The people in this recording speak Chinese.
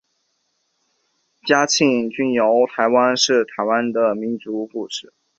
嘉庆君游台湾是台湾的民间故事。